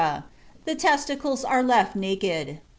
The testicles are left naked."